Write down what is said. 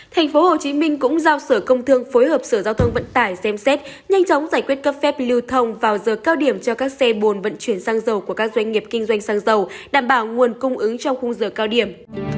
thành phố hồ chí minh cũng giao sở công thương phối hợp sở giao thông vận tải xem xét nhanh chóng giải quyết các phép lưu thông vào giờ cao điểm cho các xe buồn vận chuyển xăng dầu của các doanh nghiệp kinh doanh xăng dầu đảm bảo nguồn cung ứng trong khung giờ cao điểm